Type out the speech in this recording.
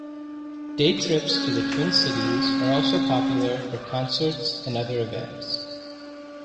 Day trips to the Twin Cities are also popular for concerts and other events.